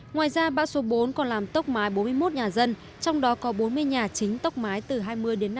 ngoài ra bác số bốn còn làm tốc mái bốn mươi một nhà dân trong đó có bốn mươi nhà chính tốc mái từ hai mươi đến năm mươi